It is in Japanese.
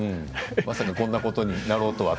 まさかこんなことになろうとは。